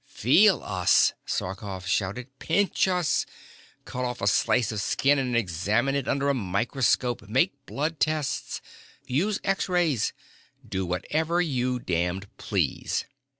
"Feel us!" Sarkoff shouted. "Pinch us. Cut off a slice of skin and examine it under a microscope. Make blood tests. Use X rays. Do whatever you damned please."